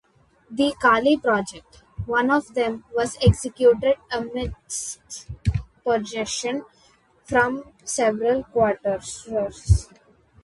The Kali project, one of them, was executed amidst opposition from several quarters.